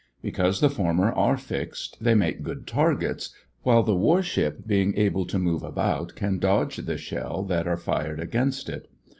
Because the former are fixed they make good targets, while the war ship, being able to move about, can dodge the shell that are fired against it.